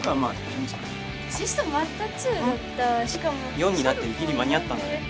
４になってるぎり間に合ったんだね。